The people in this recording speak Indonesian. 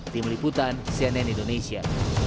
tim liputan cnn indonesia